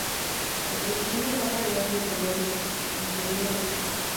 Ofreciendo gran variedad de colores interiores.